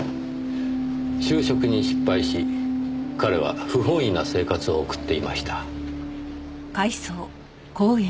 就職に失敗し彼は不本意な生活を送っていました。